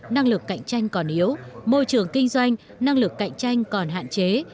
năng lực cạnh tranh còn yếu môi trường kinh doanh năng lực cạnh tranh còn hạn chế